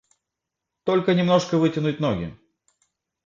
Только немножко вытянуть ноги.